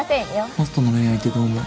ホストの恋愛ってどう思う？